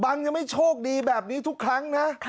ยังไม่โชคดีแบบนี้ทุกครั้งนะ